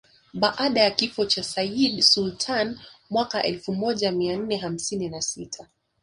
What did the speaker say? Baada ya kifo cha Sayyid Sultan mwaka elfu moja mia nane hamsini na sita